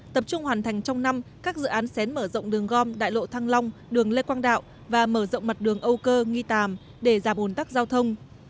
tập trung hoàn thành trong năm các dự án xén mở rộng đường gom đại lộ thăng long đường lê quang đạo và mở rộng mặt đường âu cơ nghi tàm để giảm ồn tắc giao thông